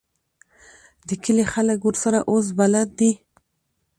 د کلي خلک ورسره اوس بلد دي.